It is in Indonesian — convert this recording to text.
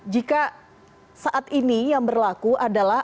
jika saat ini yang berlaku adalah